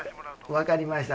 分かりました。